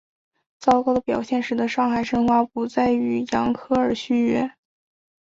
糟糕的表现使得上海申花不再与扬克尔续约。